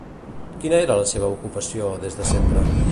Quina era la seva ocupació des de sempre?